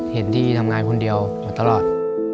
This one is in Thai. เห็นที่ทำงานคนเดียวมาตลอด